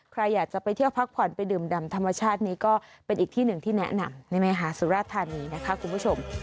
ใครอยากจะไปเที่ยวพักผ่อนไปดื่มดำธรรมชาตินี้ก็เป็นอีกที่หนึ่งที่แนะนำในมหาสุราธานีนะคะคุณผู้ชม